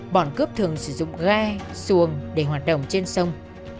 bọn cướp thường sử dụng ghe xuồng để hoạt động trên sông